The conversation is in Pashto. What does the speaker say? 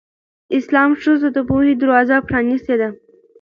اسلام ښځو ته د پوهې دروازه پرانستې ده.